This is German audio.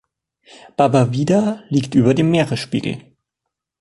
Baba Vida liegt über dem Meeresspiegel.